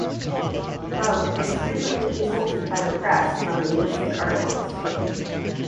Vaux is frequently consulted by the press for linguistic articles.